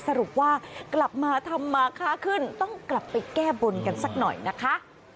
สรุปว่ากลับมาทำมาค่าขึ้นต้องกลับไปแก้บนกันสักหน่อยนะคะ